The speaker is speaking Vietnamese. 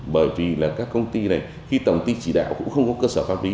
bởi vì là các công ty này khi tổng ty chỉ đạo cũng không có cơ sở phát bí